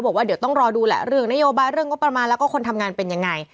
บอกว่าเดี๋ยวต้องรอดูแหละเรื่องนโยบายเรื่องงบประมาณแล้วก็คนทำงานเป็นยังไง